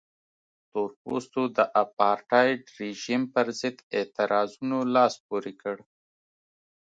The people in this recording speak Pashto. تور پوستو د اپارټایډ رژیم پرضد اعتراضونو لاس پورې کړ.